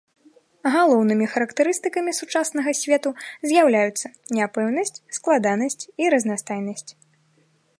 Галоўнымі характарыстыкамі сучаснага свету з'яўляюцца няпэўнасць, складанасць і разнастайнасць.